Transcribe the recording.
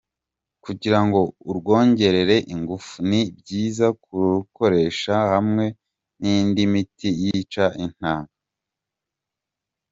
Kugirango urwongerere ingufu, ni byiza kurukoresha hamwe n’indi miti yica intanga.